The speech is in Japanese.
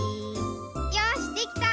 よしできた！